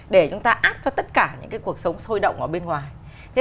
để chúng ta áp cho tất cả những cuộc sống sôi động ở bên ngoài